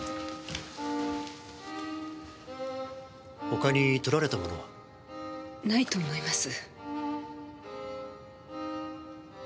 他に盗られたものは？ないと思います。